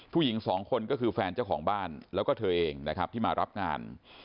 ผู้หญิงสองคนก็คือแฟนเจ้าของบ้านแล้วก็เธอเองนะครับที่มารับงาน